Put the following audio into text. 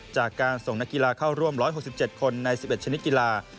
จากการส่งนักกีฬาเข้าร่วมร้อยหกสิบเจ็ดคนในสิบเอ็ดชนิดกีฬา